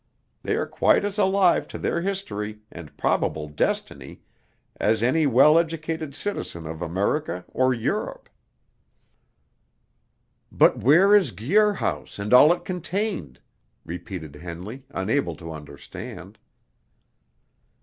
They are quite as alive to their history and probable destiny as any well educated citizen of America or Europe." "But where is Guir House, and all it contained?" repeated Henley, unable to understand.